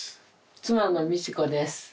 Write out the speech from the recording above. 妻の美智子です。